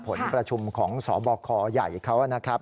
ผลประชุมของสบคใหญ่เขานะครับ